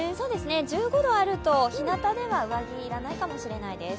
１５度あると、ひなたでは上着要らないかもしれないです。